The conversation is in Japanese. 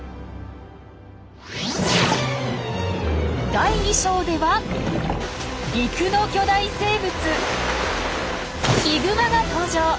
第２章では陸の巨大生物ヒグマが登場！